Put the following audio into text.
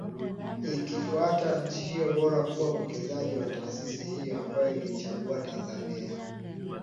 Ili kutafuta nchi iliyo bora kuwa mwenyeji wa taasisi hiyo, ambayo iliichagua Tanzania